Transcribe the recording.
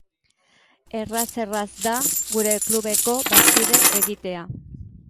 Erraz-erraz da gure klubeko bazkide egitea.